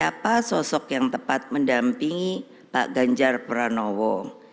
siapa sosok yang tepat mendampingi pak ganjar pranowo